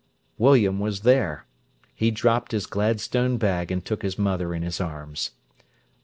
William was there. He dropped his Gladstone bag and took his mother in his arms.